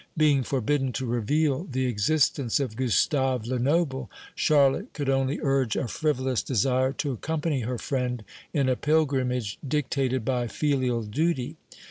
Being forbidden to reveal the existence of Gustave Lenoble, Charlotte could only urge a frivolous desire to accompany her friend in a pilgrimage dictated by filial duty.